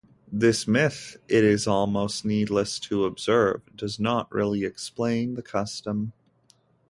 This myth, it is almost needless to observe, does not really explain the custom.